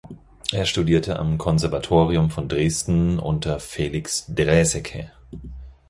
Er studierte am Konservatorium von Dresden unter Felix Draeseke.